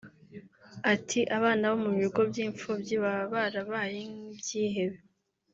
Ati “Abana bo mu bigo b y’imfubyi baba barabaye nk’ibyihebe